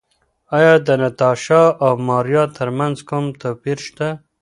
ایا د ناتاشا او ماریا ترمنځ کوم توپیر شته؟